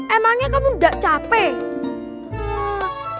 emangnya kamu gak capek